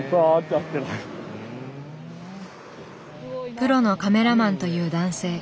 プロのカメラマンという男性。